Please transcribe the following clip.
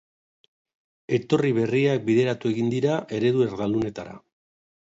Etorri berriak bideratu egin dira eredu erdaldunetara.